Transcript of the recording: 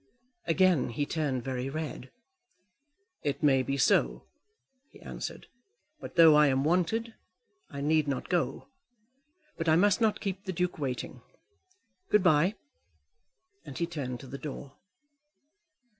Again he turned very red. "It may be so," he answered, "but though I am wanted, I need not go. But I must not keep the duke waiting. Good bye." And he turned to the door.